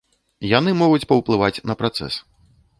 Яны могуць паўплываць на працэс.